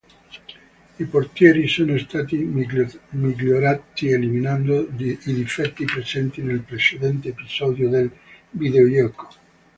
I portieri sono stati migliorati, eliminando i difetti presenti nel precedente episodio del videogioco.